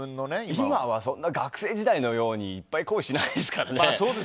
今は学生時代みたいにいっぱい恋しないですからね。